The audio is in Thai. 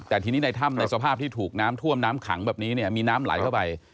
แต่ทีนี้ในถ้ำในสภาพที่ถูกน้ำท่วมน้ำขังแบบนี้เนี่ยมีน้ำไหลเข้าไป